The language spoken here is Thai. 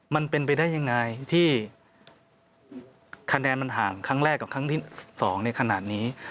มันเป็นไปได้ยังไงที่คะแนนมันห่างครั้งแรกกับครั้งที่๒ในขณะนี้